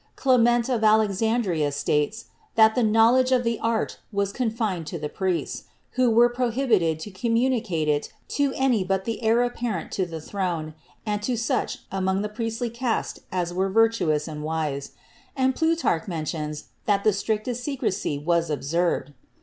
Clement of Alexandria states that the knowledge of the art was confined to the priests, who were prohibited to communicate it to any but the heir apparent to the throne and to such among the priestly caste as were virtuous and wise; and Plutarch mentions that the strictest secrecy was observed.